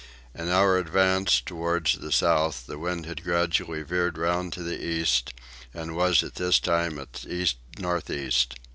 In our advances towards the south the wind had gradually veered round to the east and was at this time at east north east.